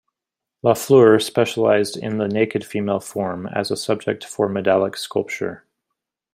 Lafleur specialised in the naked female form, as a subject for medallic sculpture.